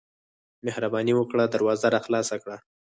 مهرباني وکړه دروازه راخلاصه کړه.